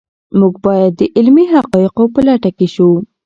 موږ باید د علمي حقایقو په لټه کې شو.